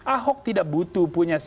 ahok tidak butuh punya